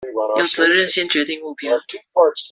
有責任先決定目標